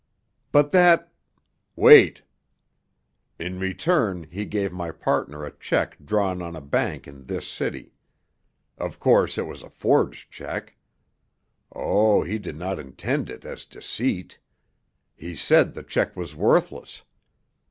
"But that——" "Wait! In return he gave my partner a check drawn on a bank in this city. Of course it was a forged check. Oh, he did not intend it as deceit! He said the check was worthless.